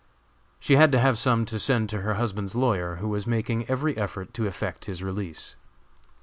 She had to have some to send to her husband's lawyer, who was making every effort to effect his release.